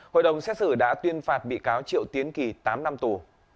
hội đồng xét xử đã tuyên phạt bị cáo triệu tiến kỳ tám năm tù